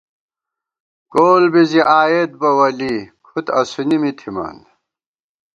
کول بی زی آیېت بہ ولی، کُھد اسُونی می تھِمان